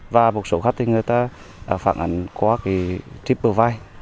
và một số khách người ta phản ảnh qua cái triple vibe